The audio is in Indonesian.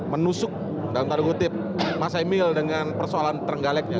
menusuk dalam tanda kutip mas emil dengan persoalan terenggaleknya